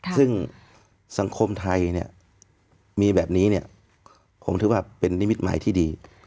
ซึ่งสังคมไทยเนี้ยมีแบบนี้เนี้ยผมคิดว่าเป็นมิตรหมายที่ดี